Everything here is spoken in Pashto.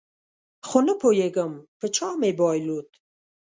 خو نپوهېږم په چا مې بایلود